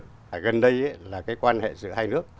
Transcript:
gần đây là cái quan hệ giữa hai nước